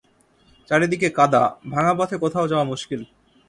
চারিদিকে কাদা, ভাঙা পথে কোথাও যাওয়া মুশকিল।